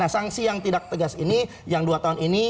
sanksi yang tidak tegas ini yang dua tahun ini